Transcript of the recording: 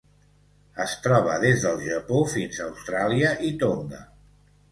Es troba des del Japó fins a Austràlia i Tonga.